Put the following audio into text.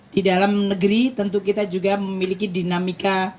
di dalam negeri tentu kita juga memiliki dinamika